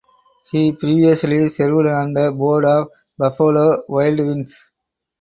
He previously served on the board of Buffalo Wild Wings.